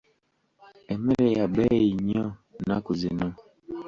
Emmere ya bbeeyi nnyo nnaku zino.